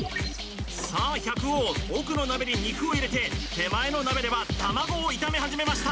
さあ百王奥の鍋に肉を入れて手前の鍋では卵を炒め始めました